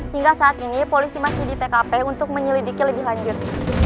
hingga saat ini polisi masih di tkp untuk menyelidiki lebih lanjut